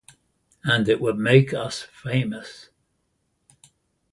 And it would make us famous.